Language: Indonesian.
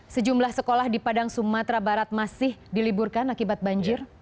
sejumlah sekolah di padang sumatera barat masih diliburkan akibat banjir